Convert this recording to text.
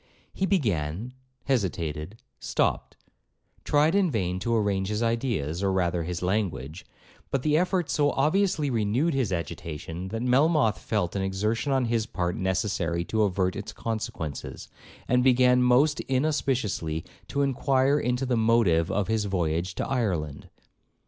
He began—hesitated—stopped; tried in vain to arrange his ideas, or rather his language; but the effort so obviously renewed his agitation, that Melmoth felt an exertion on his part necessary to avert its consequences, and began most inauspiciously to inquire into the motive of his voyage to Ireland.